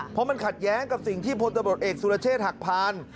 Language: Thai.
เพราะมันขัดแย้งกับสิ่งที่พลตำรวจเอกสุรเชษฐหักพาน